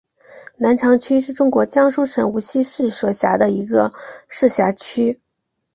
南长区是中国江苏省无锡市所辖的一个市辖区。